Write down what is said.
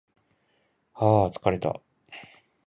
はー疲れた